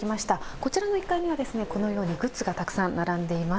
こちらの１階にはこのようなグッズがたくさん並んでいます。